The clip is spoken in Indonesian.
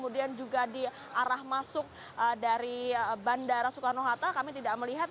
dari bandara soekarno hatta kami tidak melihat